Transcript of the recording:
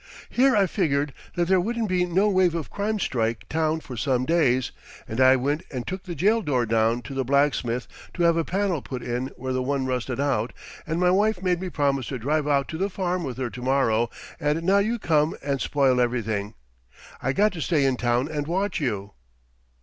Here I figgered that there wouldn't be no wave of crime strike town for some days, and I went and took the jail door down to the blacksmith to have a panel put in where the one rusted out, and my wife made me promise to drive out to the farm with her to morrow, and now you come and spoil everything. I got to stay in town and watch you.'